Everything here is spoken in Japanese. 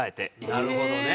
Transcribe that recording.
なるほどね。